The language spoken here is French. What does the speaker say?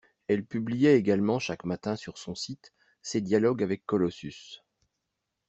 Elle publiait également chaque matin sur son site ses dialogues avec Colossus.